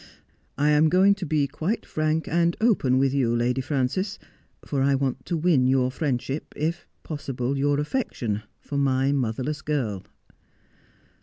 I am going to be quite frank and open with you, Lady Frances, for I want to 'win your friendship, if possible your affection, for my motherless kill.'